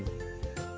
masukkan ke dalam nasi